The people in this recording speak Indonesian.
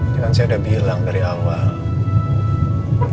kan saya udah bilang dari awal